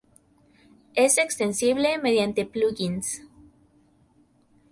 Es extensible mediante plugins.